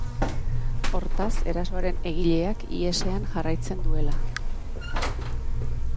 Hortaz, erasoaren egileak ihesean jarraitzen duela.